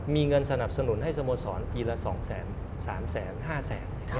มีเงินสนับสนุนให้สโมสรปีละ๒แสน๓แสน๕แสน